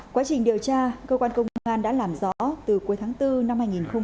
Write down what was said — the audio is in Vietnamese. quá trình điều tra cơ quan công an đã làm rõ từ cuối tháng bốn năm hai nghìn hai mươi